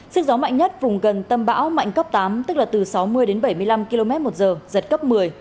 sức gió mạnh nhất vùng gần tâm bão mạnh cấp tám tức là từ sáu mươi đến bảy mươi năm km một giờ giật cấp một mươi